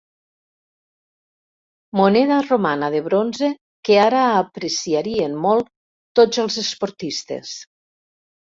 Moneda romana de bronze que ara apreciarien molt tots els esportistes.